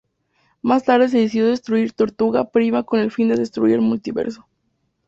Más tarde se decidió destruir Tortuga-Prima con el fin de destruir el multiverso.